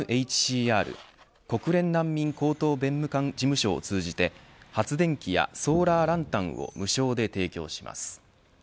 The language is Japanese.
国連難民高等弁務官事務所を通じて発電機やソーラーランタンを無償で提供します。